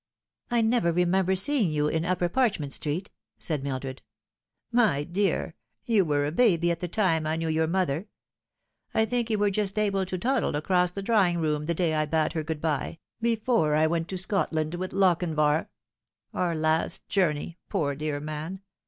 " I never remember seeing you in Upper Parchment Street," said Mildred. "My dear, you were a baby at the time I knew your mother. I think you were just able to toddle across the draw ing room the day I bade her good bye, before I went to Scotland with Lochinvar our last journey, poor dear man.